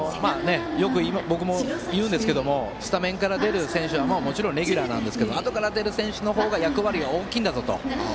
僕もよく言うんですがスタメンから出る選手はもちろんレギュラーなんですけどあとから出る選手の方が役割は大きいんだぞと。